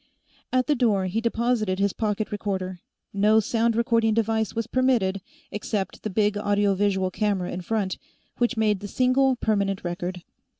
At the door, he deposited his pocket recorder no sound recording device was permitted, except the big audio visual camera in front, which made the single permanent record.